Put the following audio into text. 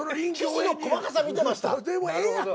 でもええやんか。